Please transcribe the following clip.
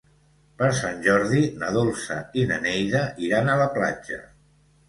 Per Sant Jordi na Dolça i na Neida iran a la platja.